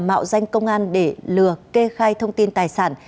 mạo danh công an để lừa kê khai thông tin tài sản